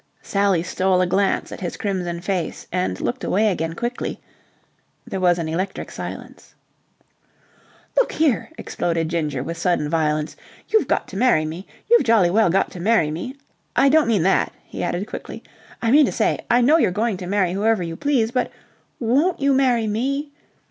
Sally stole a glance at his crimson face and looked away again quickly. There was an electric silence. "Look here," exploded Ginger with sudden violence, "you've got to marry me. You've jolly well got to marry me! I don't mean that," he added quickly. "I mean to say I know you're going to marry whoever you please... but won't you marry me?